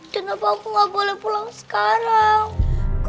kenapa aku nggak boleh pulang sekarang